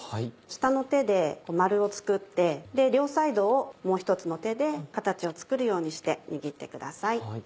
下の手で丸を作って両サイドをもう１つの手で形を作るようにして握ってください。